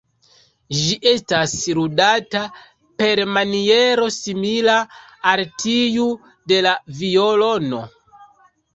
Ĝi estas ludata per maniero simila al tiu de la violono.